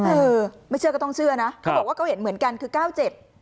เออไม่เชื่อก็ต้องเชื่อนะเขาบอกว่าเขาเห็นเหมือนกันคือเก้าเจ็ด